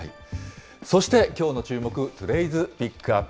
そして、きょうの注目、トゥデイズ・ピックアップ。